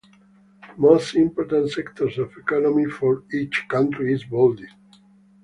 Most important sectors of economy for each country is bolded.